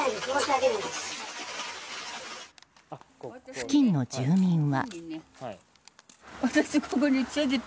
付近の住民は。